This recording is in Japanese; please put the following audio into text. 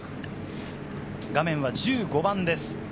画面は１５番です。